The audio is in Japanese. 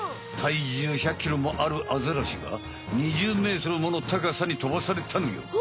体重１００ｋｇもあるアザラシが２０ｍもの高さに飛ばされたのよ。